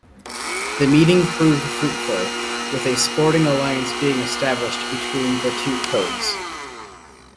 The meeting proved fruitful, with a sporting alliance being established between the two codes.